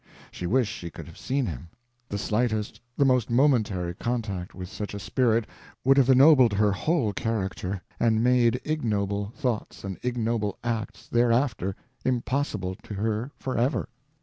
She wished she could have seen him; the slightest, the most momentary contact with such a spirit would have ennobled her whole character and made ignoble thoughts and ignoble acts thereafter impossible to her forever.